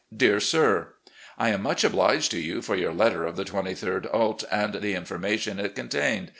"Dear Sir: I am much obliged to you for your letter of the 23d ult. and the information it contained.